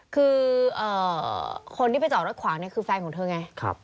คือคนที่ไปจอดรถขวางเนี่ยคือแฟนของเธอไง